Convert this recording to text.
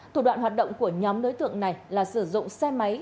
thủ đoạn hoạt động của nhóm đối tượng này là sử dụng xe máy